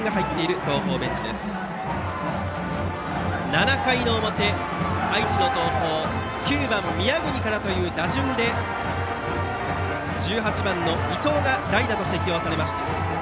７回の表、愛知の東邦９番、宮國からという打順で１８番、伊藤が代打として起用されました。